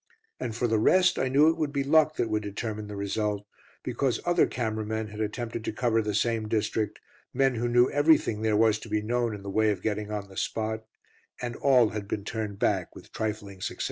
And for the rest I knew it would be luck that would determine the result, because other camera men had attempted to cover the same district, men who knew everything there was to be known in the way of getting on the spot, and all had been turned back with trifling success.